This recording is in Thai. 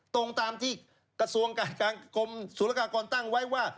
ตรงตามที่กระทรวงการกรมศูนยากากรตั้งไว้ว่า